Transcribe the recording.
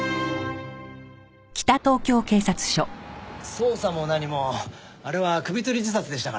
捜査も何もあれは首吊り自殺でしたから。